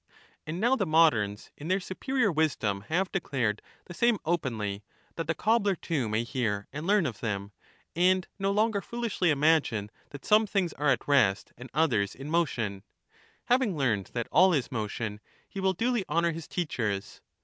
And now the moderns, in their superior wisdom, have declared the same openly, that the cobbler too may hear and learn of them, and no longer foolishly imagine that some things are at rest and others in motion— having learned that all is motion, he will duly honour his teachers.